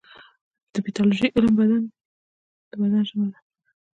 د پیتالوژي علم د بدن ژبه ده.